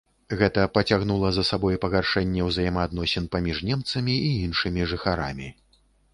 Гэта пацягнула за сабой пагаршэнне ўзаемаадносін паміж немцамі і іншымі жыхарамі.